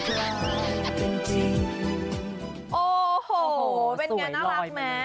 เป็นงานน่ารักนะ